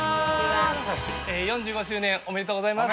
４５周年おめでとうございます。